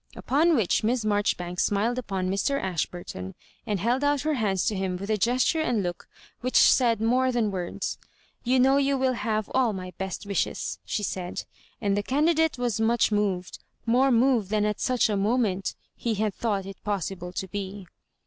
Upon which Miss Maijoribanks smiled upon Mr. Ashburton, and held out her hands to him with a gesture and look which said more than words. " You know you will have aU my best wishes," she said; and the candidate was mudi moved— more moved than at such a moment he had thought it possible to be.